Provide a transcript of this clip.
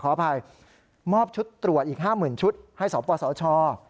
ขออภัยมอบชุดตรวจอีก๕๐๐๐ชุดให้สปสช